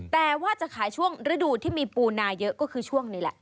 แต่ว่าจะขายช่วงฤดูที่มีปูนาเยอะก็คือช่วงนี้แหละ